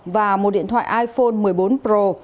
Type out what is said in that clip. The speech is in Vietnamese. và một điện thoại iphone một mươi bốn pro